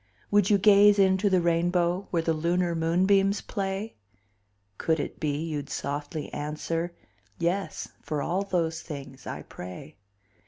Would you gaze into the rainbow Where the lunar moonbeams play, Could it be you'd softly answer "Yes, for all those things I pray?"